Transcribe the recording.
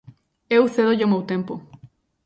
Eu cédolle o meu tempo.